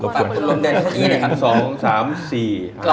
กลับไปคุณลมแดนคุณอีนนะครับ